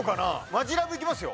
マヂラブいきますよ。